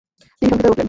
তিনি সংকিত হয়ে উঠলেন।